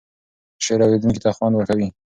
شعر اوریدونکی ته خوند ورکوي.